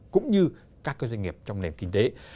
cũng như các doanh nghiệp trong nền kinh tế